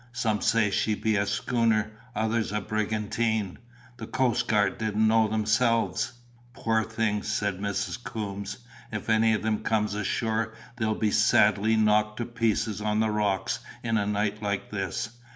Some say she be a schooner, others a brigantine. The coast guard didn't know themselves." "Poor things!" said Mrs. Coombes. "If any of them comes ashore, they'll be sadly knocked to pieces on the rocks in a night like this."